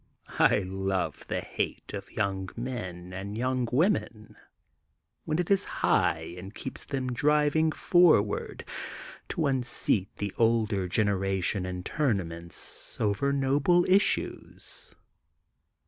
I love the hate of young men and young women when it is high and keeps them driv ing forward to unseat the older generation in tournaments over noble issues.